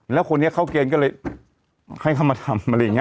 แล้วคนนี้เข้าเกณฑ์ก็เลยให้เขามาทำอะไรอย่างนี้